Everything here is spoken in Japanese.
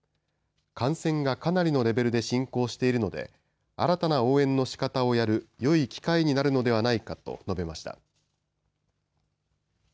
感染がかなりのレベルで進行しているので新たな応援のしかたをやるよい機会になるのではないかと述べました。